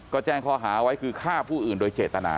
ก็แจ้งข้อหาไว้คือฆ่าผู้อื่นโดยเจตนา